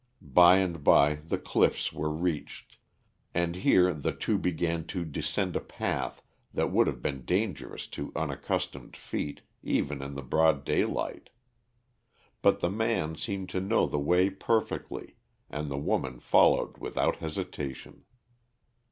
By and by the cliffs were reached, and here the two began to descend a path that would have been dangerous to unaccustomed feet even in the broad daylight. But the man seemed to know the way perfectly and the woman followed without hesitation.